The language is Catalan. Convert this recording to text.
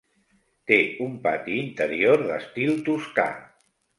Té un pati interior d'estil toscà.